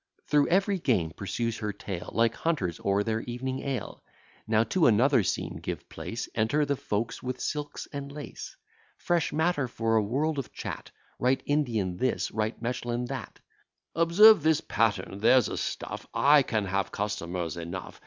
Through every game pursues her tale, Like hunters o'er their evening ale. Now to another scene give place: Enter the folks with silks and lace: Fresh matter for a world of chat, Right Indian this, right Mechlin that: "Observe this pattern there's a stuff; I can have customers enough.